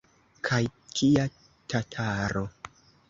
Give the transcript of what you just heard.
Kaj kia tataro!